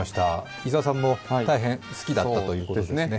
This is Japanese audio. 伊沢さんも大変好きだったということですね。